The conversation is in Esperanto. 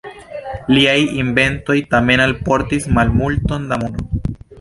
Liaj inventoj tamen alportis malmulton da mono.